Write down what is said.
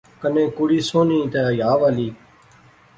کنے کڑی سوہنی تے حیا والی